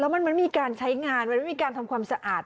มันไม่มีการใช้งานมันไม่มีการทำความสะอาด